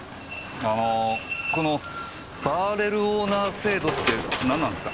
あのーこの「バーレルオーナー制度」って何なんすか？